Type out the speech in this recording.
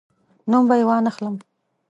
نوم به یې وانخلم.